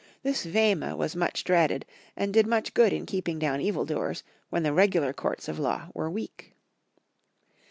This Vehme was much dreaded, and did much good in keeping down evil doers, when the regular courts of law were weak.